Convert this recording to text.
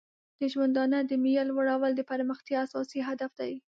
د ژوندانه د معیار لوړول د پرمختیا اساسي هدف دی.